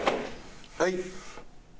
はい。